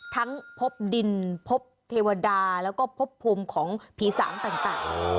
ทั้งพบดินพบเทวดาแล้วก็พบพุมของผีสามต่าง